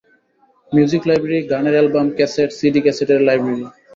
Music library, গানের album, cassette, CD ক্যাসেটের library.